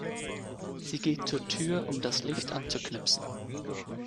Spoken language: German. Sie geht zur Tür, um das Licht auszuknipsen.